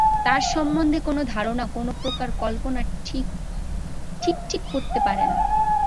তাঁর সম্বন্ধে কোন ধারণা, কোন প্রকার কল্পনা ঠিক ঠিক হতে পারে না।